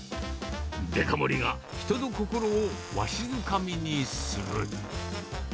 デカ盛りが人の心をわしづかみにする。